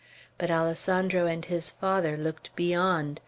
But Alessandro and his father looked beyond.